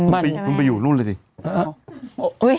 มาอยู่นู้นดี